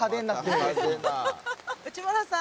「内村さん」